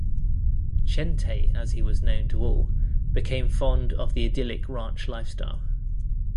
"Chente", as he was known to all, became fond of the idyllic ranch lifestyle.